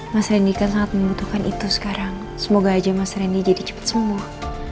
mas rendy kan sangat membutuhkan itu sekarang semoga aja mas rendy jadi cepat sembuh